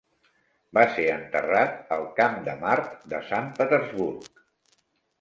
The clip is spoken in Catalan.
Va ser enterrat al Camp de Mart de Sant Petersburg.